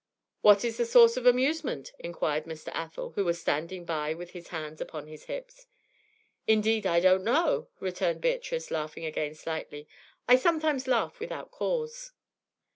'What is the source of amusement?' inquired Mr. Athel, who was standing by with his hands upon his hips. 'Indeed I don't know,' returned Beatrice, laughing again slightly. 'I sometimes laugh without cause.'